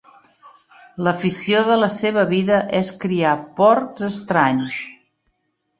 L'afició de la seva vida és criar porcs estranys.